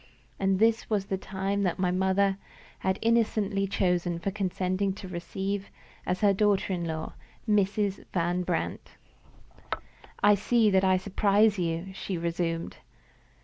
And this was the time that my mother had innocently chosen for consenting to receive as her daughter in law Mrs. Van Brandt! "I see that I surprise you," she resumed.